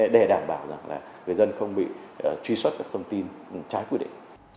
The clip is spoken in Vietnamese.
để đảm bảo rằng là người dân không bị truy xuất các thông tin trái quy định